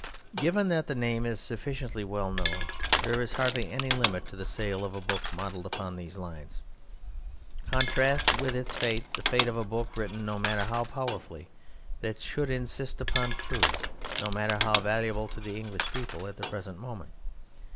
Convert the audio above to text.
Given that the name is sufficiently well known, there is hardly any limit to the sale of a book modelled upon these lines. Contrast with its fate the fate of a book, written no matter how powerfully, that should insist upon truths, no matter how valuable to the English people at the present moment.